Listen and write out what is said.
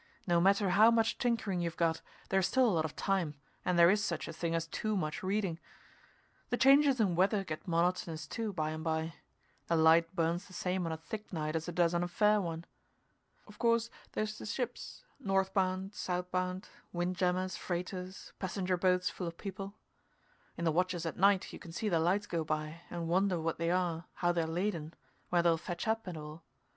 No matter how much tinkering you've got, there's still a lot of time and there's such a thing as too much reading. The changes in weather get monotonous, too, by and by; the light burns the same on a thick night as it does on a fair one. Of course there's the ships, north bound, south bound wind jammers, freighters, passenger boats full of people. In the watches at night you can see their lights go by, and wonder what they are, how they're laden, where they'll fetch up, and all.